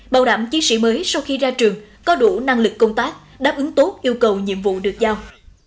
bảo đảm chiến sĩ mới sau khi ra trường có đủ năng lực công tác đáp ứng tốt yêu cầu nhiệm vụ được giao